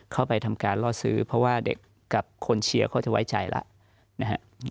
เข้าไปทำการล่อซื้อเพราะว่าเด็กกับคนเชียร์เขาจะไว้ใจแล้วนะครับ